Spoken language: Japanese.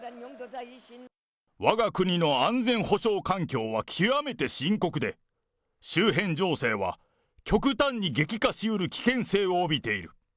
わが国の安全保障環境は極めて深刻で、周辺情勢は極端に激化しうる危険性を帯びている。